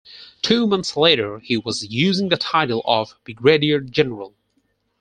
Two months later he was using the title of brigadier general.